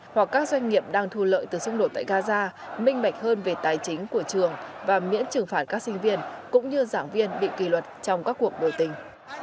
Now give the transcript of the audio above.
hoặc các doanh nghiệp đang thu lợi từ xung đột tại gaza minh mạch hơn về tài chính của trường và miễn trừng phạt các sinh viên cũng như giảng viên bị kỳ luật trong các cuộc biểu tình